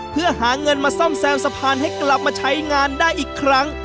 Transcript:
เพื่อหาเงินมาซ่อมแซมสะพานให้กลับมาใช้งานได้อีกครั้ง